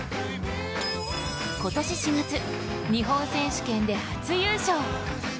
今年４月、日本選手権で初優勝。